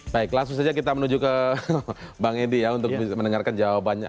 baik langsung saja kita menuju ke bang edi ya untuk mendengarkan jawabannya